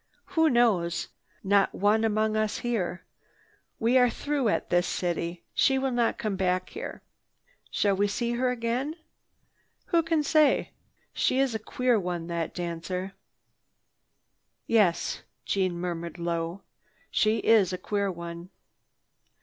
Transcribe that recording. "Who knows? Not one among us here. We are through at this city. She will not come back here. Shall we see her again? Who can say? She is a queer one, that dancer." "Yes," Jeanne murmured low, "she is a queer one."